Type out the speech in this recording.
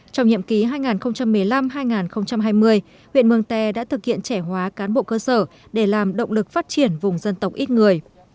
trong nhiệm ký hai nghìn một mươi năm hai nghìn hai mươi huyện mường tè đã thực hiện trẻ hóa cán bộ cơ sở để làm động lực phát triển vùng dân tộc ít người